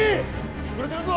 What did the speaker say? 遅れてるぞ